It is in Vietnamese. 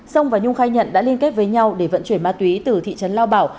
sông và nhung khai nhận đã liên kết với nhau để vận chuyển ma túy từ thị trấn lao bảo